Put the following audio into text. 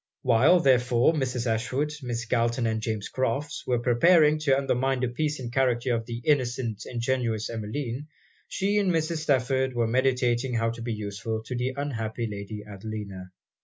While, therefore, Mrs. Ashwood, Miss Galton, and James Crofts, were preparing to undermine the peace and character of the innocent, ingenuous Emmeline, she and Mrs. Stafford were meditating how to be useful to the unhappy Lady Adelina.